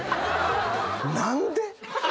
何で？